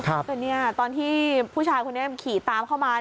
โอ้โหตอนที่ผู้ชายคนนี้ขี่ตามเข้ามา